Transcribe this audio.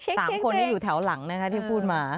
สามคนที่อยู่แถวหลังนะคะที่พูดมา